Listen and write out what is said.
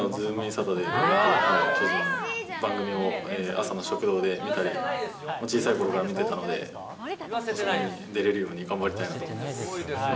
サタデーで巨人の番組を、朝の食堂で見たり、小さいころから見てたので、ズムサタに出れるように頑張りたいと思います。